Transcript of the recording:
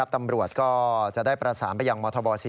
การประกอบตำรวจจะได้ประสานไปยังมธ๔๕